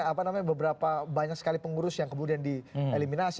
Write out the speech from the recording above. apa namanya beberapa banyak sekali pengurus yang kemudian dieliminasi